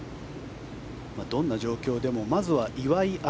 どんな状況でもまずは岩井明